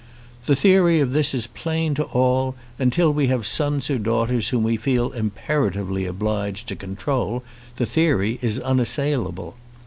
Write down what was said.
The theory of this is plain to us all, and till we have sons or daughters whom we feel imperatively obliged to control, the theory is unassailable.